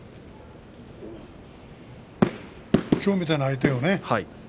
きょうみたいな相手をね